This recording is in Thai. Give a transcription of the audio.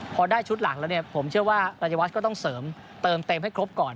พอได้ชุดหลังแล้วเนี่ยผมเชื่อว่ารายวัฒน์ก็ต้องเสริมเติมเต็มให้ครบก่อน